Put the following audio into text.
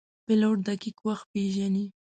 پیلوټ دقیق وخت پیژني.